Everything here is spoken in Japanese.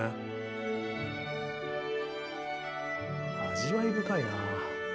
味わい深いなあ。